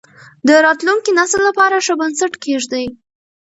د راتلونکي نسل لپاره ښه بنسټ کېږدئ.